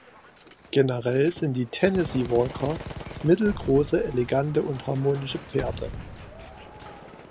Generell sind die Tennessee Walker mittelgroße, elegante und harmonische Pferde.